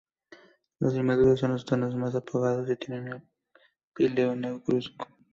Los inmaduros son de tonos más apagados y tienen el píleo negruzco.